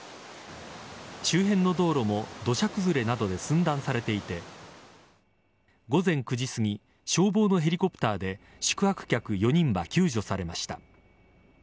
周辺の道路も土砂崩れなどで寸断されていて午前９時すぎ消防のヘリコプターで宿泊客４人は救助されました。